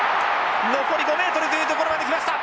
残り５ｍというところまで来ました。